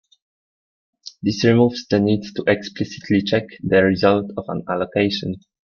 This removes the need to explicitly check the result of an allocation.